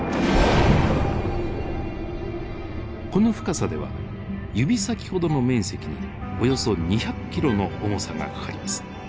この深さでは指先ほどの面積におよそ２００キロの重さがかかります。